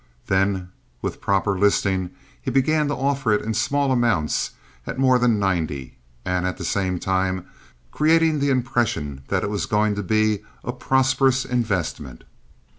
Then, with proper listing, he began to offer it in small amounts at more than ninety, at the same time creating the impression that it was going to be a prosperous investment.